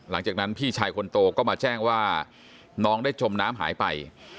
หลังจากนั้นพี่ชายคนโตก็มาแจ้งว่าน้องได้จมน้ำหายไป